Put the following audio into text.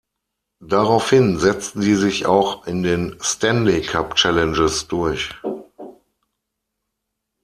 Daraufhin setzten sie sich auch in den Stanley Cup Challenges durch.